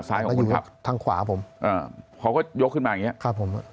ซ้ายของคนขับแล้วอยู่ทางขวาผมอ่าเขาก็ยกขึ้นมาอย่างเงี้ยครับผม